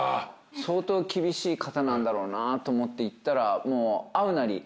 相当厳しい方なんだろうなと思って行ったらもう会うなり。